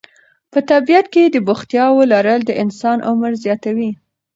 په طبیعت کې د بوختیاوو لرل د انسان عمر زیاتوي.